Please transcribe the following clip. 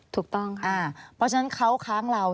ถูกต้องค่ะเพราะฉะนั้นเขาค้างเรา